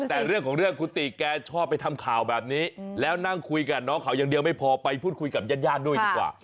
แต่เรื่องของเรื่องคุณติแกชอบไปทำข่าวแบบนี้แล้วนั่งคุยกับน้องเขาอย่างเดียวไม่พอไปพูดคุยกับญาติญาติด้วยดีกว่า